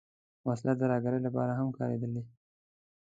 وسله د ترهګرۍ لپاره هم کارېدلې